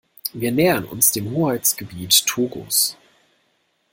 Wir nähern uns dem Hoheitsgebiet Togos.